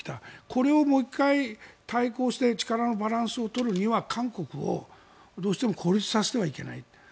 これをもう１回対抗して力のバランスを取るには韓国をどうしても孤立させてはいけない。